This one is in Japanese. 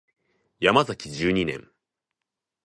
ヤマザキ十二年